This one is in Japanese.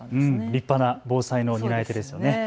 立派な防災の担い手ですよね。